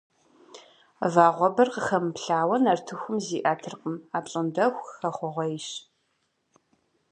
Вагъуэбэр къыхэмыплъауэ нартыхум зиӏэтыркъым, апщӏондэху хэхъуэгъуейщ.